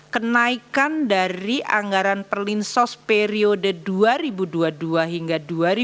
kenaikan dari anggaran perlinsos periode dua ribu dua puluh dua hingga dua ribu dua puluh